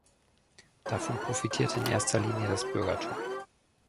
Davon profitierte in erster Linie das Bürgertum.